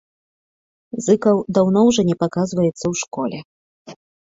Зыкаў даўно ўжо не паказваецца ў школе.